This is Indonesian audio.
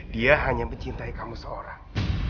dia hanya mencintai kamu seorang